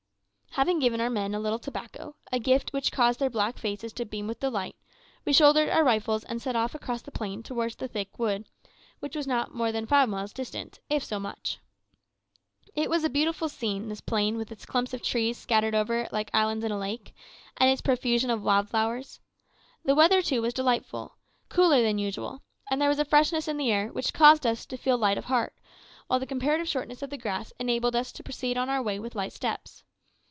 Having given our men a little tobacco, a gift which caused their black faces to beam with delight, we shouldered our rifles and set off across the plain towards the thick wood, which was not more than five miles distant, if so much. It was a beautiful scene, this plain with its clumps of trees scattered over it like islands in a lake, and its profusion of wild flowers. The weather, too, was delightful cooler than usual and there was a freshness in the air which caused us to feel light of heart, while the comparative shortness of the grass enabled us to proceed on our way with light steps.